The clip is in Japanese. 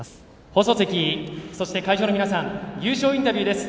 放送席、そして会場の皆さん優勝インタビューです。